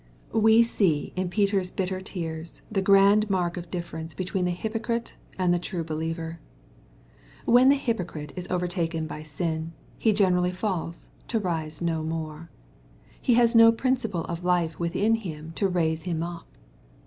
878 EXPOSITORY THOUGHTS. We see in looter's bitter tears, the grand mark of difference between the hypocrite and the true believer. When the hypocrite is overtaken by sin, he generally falls to rise no more. He has no principle of life within him to raise him up.